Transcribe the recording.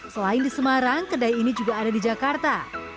selain di semarang kedai ini juga ada di jakarta